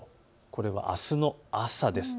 これはあすの朝です。